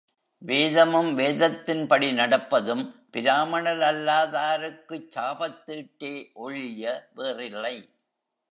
வேதமும் வேதத்தின்படி நடப்பதும் பிராமணரல்லாதாருக்குச் சாபத்தீட்டே ஒழிய வேறில்லை.